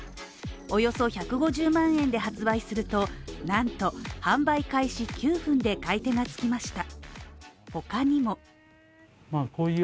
およそ１５０万円で発売すると、なんと販売開始９分で買い手がつきました。